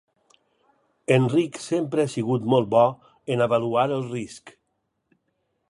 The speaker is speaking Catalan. Enric sempre ha sigut molt bo en avaluar el risc.